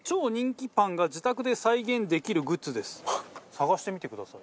探してみてください。